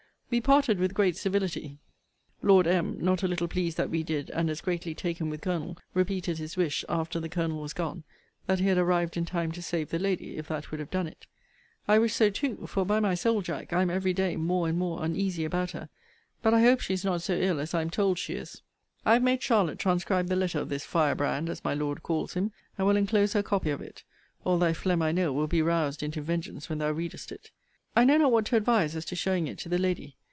We parted with great civility: Lord M. (not a little pleased that we did, and as greatly taken with Colonel) repeated his wish, after the Colonel was gone, that he had arrived in time to save the lady, if that would have done it. I wish so too. For by my soul, Jack, I am every day more and more uneasy about her. But I hope she is not so ill as I am told she is. I have made Charlotte transcribe the letter of this Firebrand, as my Lord calls him; and will enclose her copy of it. All thy phlegm I know will be roused into vengeance when thou readest it. I know not what to advise as to showing it to the lady.